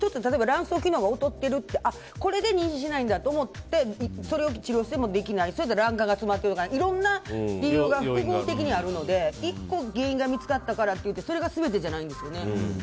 卵巣機能が劣っていてこれで妊娠しないんだと思ってそれを治療してもできない卵管が詰まっているとかいろんな理由が複合的にあるので１個、原因が見つかったからといってそれが全てじゃないんですよね。